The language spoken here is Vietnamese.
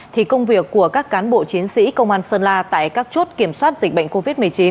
thì công việc của các cán bộ chiến sĩ công an sơn la tại các chốt kiểm soát dịch bệnh covid một mươi chín